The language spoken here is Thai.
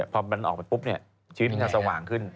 พอมันออกไปปุ๊บชีวิตมันสว่างขึ้น